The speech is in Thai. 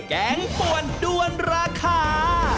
แกงป่วนด้วนราคา